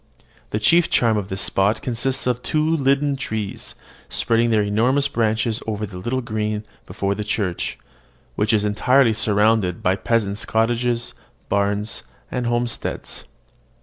The chief charm of this spot consists in two linden trees, spreading their enormous branches over the little green before the church, which is entirely surrounded by peasants' cottages, barns, and homesteads.